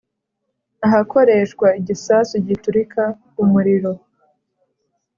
ahakoreshwa igisasu giturika umuriro